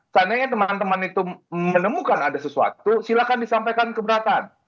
seandainya teman teman itu menemukan ada sesuatu silakan disampaikan keberatan